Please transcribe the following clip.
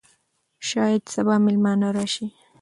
شاید سبا مېلمانه راشي.